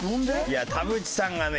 いや田渕さんがね